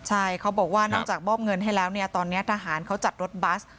ใช่เขาบอกว่านอกจากมอบเงินให้แล้วเนี่ยตอนนี้ทหารเขาจัดรถบัส